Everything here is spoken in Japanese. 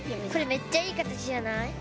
これ、めっちゃいい形じゃない？